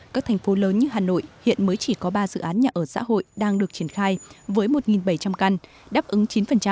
các thành phố lớn như hà nội hiện mới chỉ có ba dự án nhà ở xã hội đang được triển khai với một bảy trăm linh căn đáp ứng chín